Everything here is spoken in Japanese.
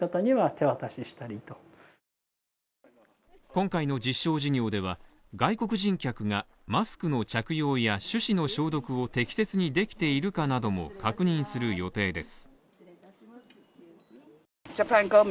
今回の実証事業では、外国人客がマスクの着用や手指の消毒を適切にできているかなども確認する予定です。